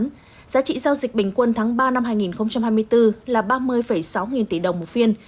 giá trị giao dịch bình quân tháng ba năm hai nghìn hai mươi bốn là ba mươi sáu nghìn tỷ đồng một phiên